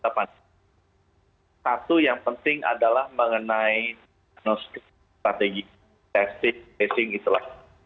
satu yang penting adalah mengenai strategi testing tracing itulah